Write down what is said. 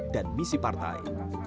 dan misi partai